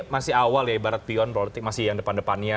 masih awal ya ibarat beyond politik masih yang depan depannya